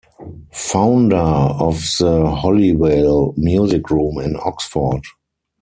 Founder of the Holywell Music Room in Oxford.